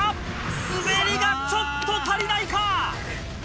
滑りがちょっと足りないか？